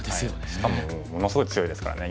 しかもものすごい強いですからね